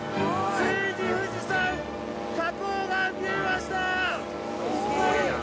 ついに富士山火口が見えました！